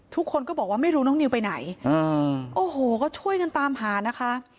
ทุกคนก็บอกว่าไม่รู้น้องนิวไปไหนโอ้โหก็ช่วยกันตามหานะคะ